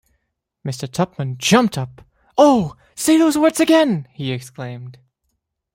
Mr. Tupman jumped up — ‘Oh, say those words again!’ he exclaimed.